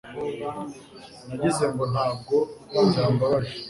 nagize ngo ntabwo byambabaje